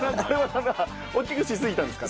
大きくしすぎたんですか？